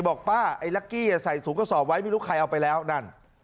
บอกป้าไอ้ลักกี้ใส่ถุงกระสอบไว้ไม่รู้ใครเอาไปแล้วนั่น